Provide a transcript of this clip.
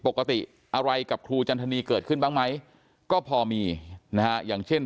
ปกติอะไรกับครูจันทนีเกิดขึ้นบ้างไหมก็พอมีนะฮะอย่างเช่น